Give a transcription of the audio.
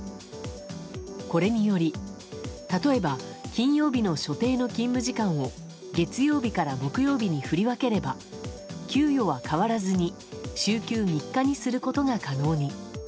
これにより例えば金曜日の所定の勤務時間を月曜日から木曜日に振り分ければ給与は変わらずに週休３日にすることが可能に。